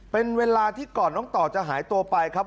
เป็นเวลาที่ก่อนน้องต่อจะหายตัวไปครับ